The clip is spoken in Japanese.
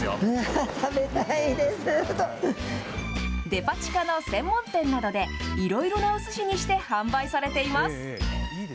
デパ地下の専門店などで、いろいろなおすしにして販売されています。